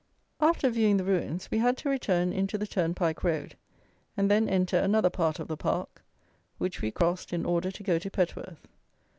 After viewing the ruins, we had to return into the turnpike road, and then enter another part of the park, which we crossed, in order to go to Petworth.